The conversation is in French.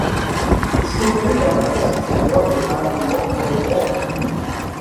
Il est nommé d'après l'astronome allemand Rainer Kling.